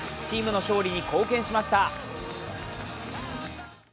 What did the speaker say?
チームの勝利に貢献しました。